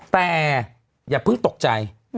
แต่อย่าเพิ่งตกใจ